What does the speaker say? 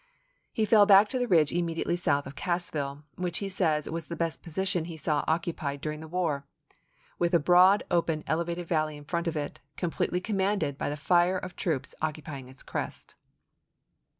He fell back to the ridge immediately south of Cassville, which he says was the best position he saw oc cupied during the war; "with a broad, open, .^St™ elevated valley in front of it, completely com 0fa£er!£r7 manded by the fire of troops occupying its crest."